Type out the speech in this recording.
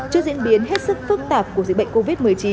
trước diễn biến hết sức phức tạp của dịch bệnh covid một mươi chín